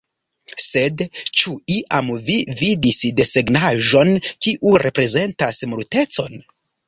« Sed, ĉu iam vi vidis desegnaĵon kiu reprezentas Multecon?"